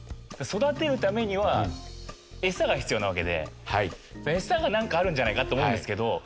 育てるためには餌が必要なわけで餌がなんかあるんじゃないかって思うんですけど。